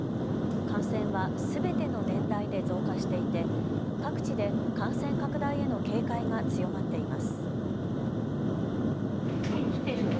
感染はすべての年代で増加していて各地で感染拡大への警戒が強まっています。